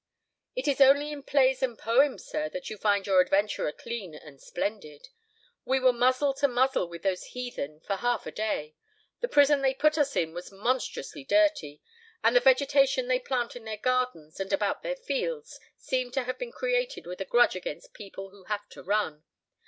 "It is only in plays and poems, sir, that you find your adventurer clean and splendid. We were muzzle to muzzle with those heathen for half a day; the prison they put us in was monstrously dirty; and the vegetation they plant in their gardens and about their fields seems to have been created with a grudge against people who have to run.